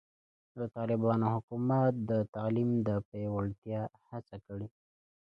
د طالبانو حکومت د تعلیم د پیاوړتیا هڅه کړې.